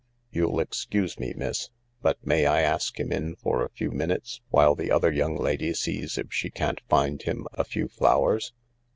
You'll excuse me, miss, but may I ask him in for a few minutes while the other young lady sees if she can't find him a few flowers